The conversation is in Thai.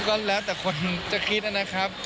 ก็แล้วแต่คนจะคิดนะครับ